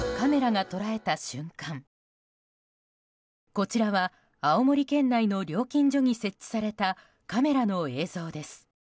こちらは青森県内の料金所に設置されたカメラの映像です。